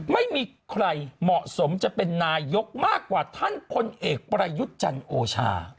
ไม่มีใครเหมาะสมจะเป็นนายกมากกว่าท่านพลเอกประยุทธ์จันทร์โอชา